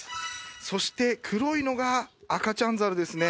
そして、黒いのが赤ちゃん猿ですね